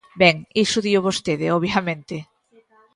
Ben, iso dío vostede, obviamente.